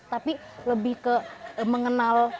tapi lebih ke mengenal